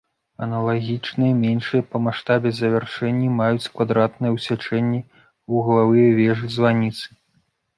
Аналагічныя меншыя па маштабе завяршэнні маюць квадратныя ў сячэнні вуглавыя вежы-званіцы.